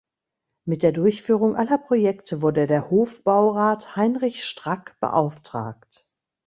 Mit der Durchführung aller Projekte wurde der Hofbaurat Heinrich Strack beauftragt.